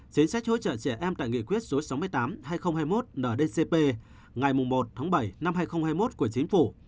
chính sách hỗ trợ trẻ em tại nghị quyết số sáu mươi tám hai nghìn hai mươi một ndcp ngày một tháng bảy năm hai nghìn hai mươi một của chính phủ